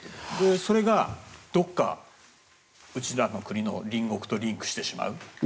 それがどこか、うちらの国の隣国とリンクしてしまう。